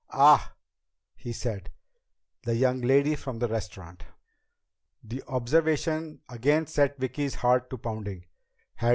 "Ah," he said, "the young lady from the restaurant." This observation again set Vicki's heart to pounding.